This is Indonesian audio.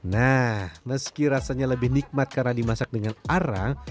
nah meski rasanya lebih nikmat karena dimasak dengan arang